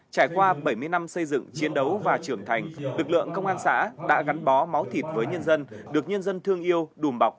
trải qua bảy mươi năm xây dựng chiến đấu và trưởng thành lực lượng công an xã đã gắn bó máu thịt với nhân dân được nhân dân thương yêu đùm bọc